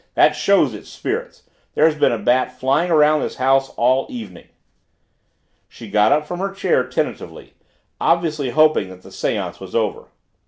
That shows it's spirits. There's been a bat flying around this house all evening." She got up from her chair tentatively, obviously hoping that the seance was over.